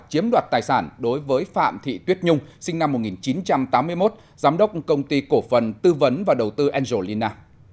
chiếm đoạt tài sản đối với phạm thị tuyết nhung sinh năm một nghìn chín trăm tám mươi một giám đốc công ty cổ phần tư vấn và đầu tư angelina